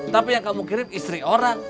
tapi yang kamu kirim istri orang